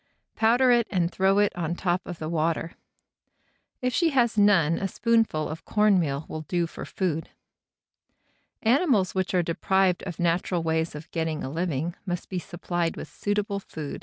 Powder it and throw it on top of the water. If she has none a spoonful of corn meal will do for food. Animals which are deprived of natural ways of getting a living must be supplied with suitable food."